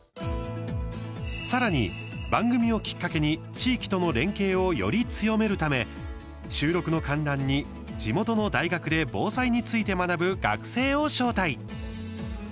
さらに、番組をきっかけに地域との連携をより強めるため収録の観覧に地元の大学で防災について学ぶ学生を招待。